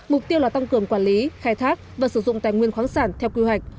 mục tiêu là tăng cường quản lý khai thác và sử dụng tài nguyên khoáng sản theo quy hoạch